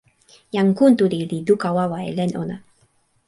jan Kuntuli li luka wawa e len ona.